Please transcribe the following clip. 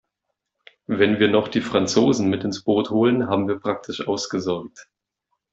Wenn wir noch die Franzosen mit ins Boot holen, haben wir praktisch ausgesorgt.